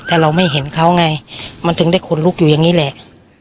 แต่เราไม่เห็นเขาไงมันถึงได้ขนลุกอยู่อย่างนี้แหละ